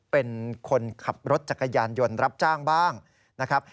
เป็นคนขับรถจักรยานยนต์รับจ้างบ้างนะครับ